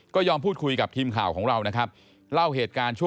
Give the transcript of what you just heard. ก็ยอมพูดคุยกับทีมข่าวของเรา